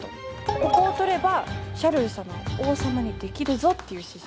ここを取ればシャルル様を王様にできるぞっていう指示なんですね。